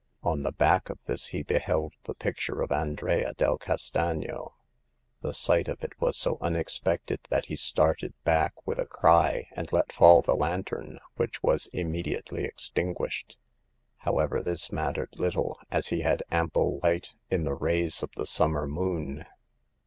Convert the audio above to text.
On the back of this he beheld the picture of Andrea del Castagno. The sight of it was so unexpected that he started back with a cry, and let fall the lantern, which was immedi ately extinguished. However, this mattered little, as he had ample light in the rays of the summer moon.